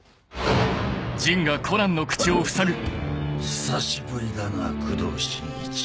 久しぶりだな工藤新一。